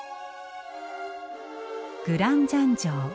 グランジャン城。